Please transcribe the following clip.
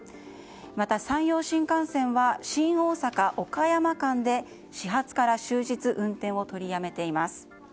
また山陽新幹線は新大阪岡山間で始発から終日運転を取りやめています。